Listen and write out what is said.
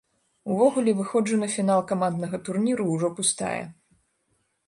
Увогуле, выходжу на фінал каманднага турніру ўжо пустая.